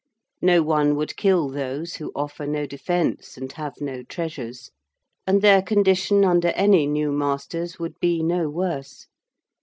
No one would kill those who offer no defence and have no treasures; and their condition under any new masters would be no worse.